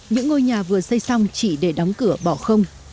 những ngôi nhà vừa xây xong chỉ để đóng cửa bỏ không